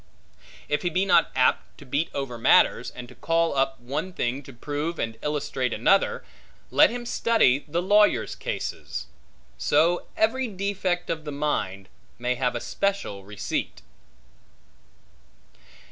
If he be not apt to beat over matters, and to call up one thing to prove and illustrate another, let him study the lawyers' cases. So every defect of the mind, may have a special receipt.